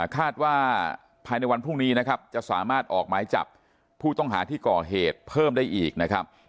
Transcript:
คาดว่าภายในวันพรุ่งนี้นะครับจะสามารถออกหมายจับผู้ต้องหาที่ก่อเหตุเพิ่มได้อีกนะครับ